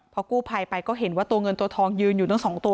พอกู้ภัยไปก็เห็นว่าตัวเงินตัวทองยืนอยู่ทั้งสองตัว